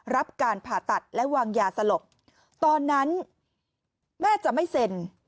รับการผ่าตัดและวางยาสลบตอนนั้นแม่จะไม่เซ็น